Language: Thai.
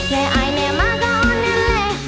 แค่อายแน่มาก็อ่อนแน่เลย